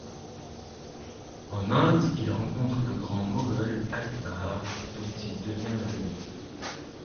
En Inde, il rencontre le Grand Moghol Akbar dont il devient l’ami.